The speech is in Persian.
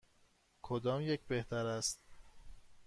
کدام یک بهتر است؟